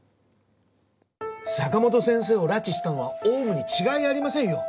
坂本先生を拉致したのはオウムに違いありませんよ！